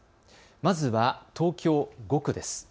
まずは東京５区です。